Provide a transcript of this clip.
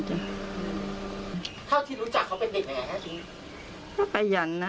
เขาก็ประหยัดนะ